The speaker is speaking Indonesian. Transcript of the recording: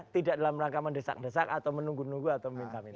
tidak dalam rangka mendesak desak atau menunggu nunggu atau minta minta